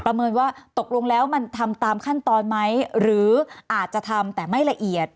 เมินว่าตกลงแล้วมันทำตามขั้นตอนไหมหรืออาจจะทำแต่ไม่ละเอียด